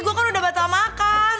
gue kan udah batal makan